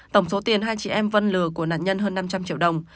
tổng số tiền hai chị em vân lừa của nạn nhân hơn năm trăm linh triệu đồng